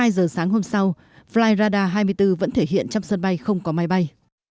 hai giờ sáng hôm sau flyradar hai mươi bốn vẫn thể hiện trong sân bay không có máy bay